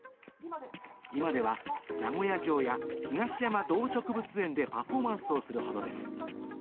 今では名古屋城や東山動植物園でパフォーマンスをするほどです。